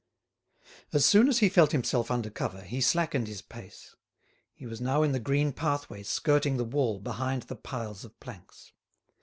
As soon as he felt himself under cover he slackened his pace. He was now in the green pathway skirting the wall behind the piles of planks.